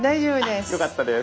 よかったです。